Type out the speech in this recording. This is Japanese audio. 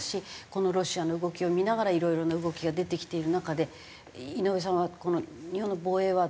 このロシアの動きを見ながらいろいろな動きが出てきている中で井上さんはこの日本の防衛は。